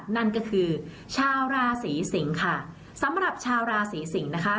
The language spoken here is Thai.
นั่นก็คือชาวราศีสิงค่ะสำหรับชาวราศีสิงศ์นะคะ